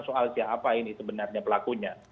soal siapa ini sebenarnya pelakunya